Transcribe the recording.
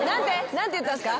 何て言ったんですか？